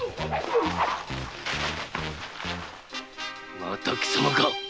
また貴様か？